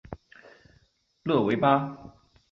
勒维巴。